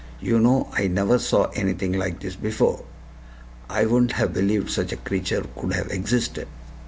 "You know, I never saw anything like this before. I wouldn't have believed such a creature could have existed."